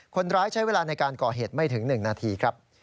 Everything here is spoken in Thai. คนร้ายใช้เวลาในการก่อเหตุไม่ถึง๑นาทีครับ